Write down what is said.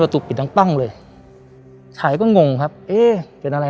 ตุปิดดังปั้งเลยชายก็งงครับเอ๊ะเป็นอะไร